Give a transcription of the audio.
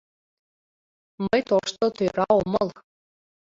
— Мый тошто тӧра омыл...